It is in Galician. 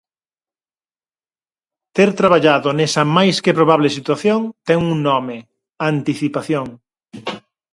Ter traballado nesa máis que probable situación ten un nome: anticipación.